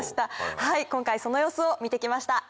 今回その様子を見てきました。